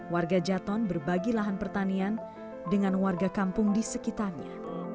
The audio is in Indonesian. warga jaton berbagi lahan pertanian dengan warga kampung di sekitarnya